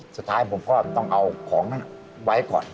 สุดท้ายผมก็ต้องเอาของนั้นไว้ก่อน